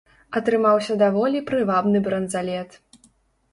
Атрымаўся даволі прывабны бранзалет.